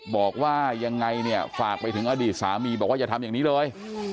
บอกว่ายังไงเนี่ยฝากไปถึงอดีตสามีบอกว่าอย่าทำอย่างนี้เลย